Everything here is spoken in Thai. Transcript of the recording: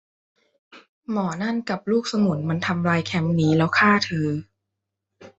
หมอนั่นกับลูกสมุนมันจะทำลายแคมป์นี้ แล้วฆ่าเธอ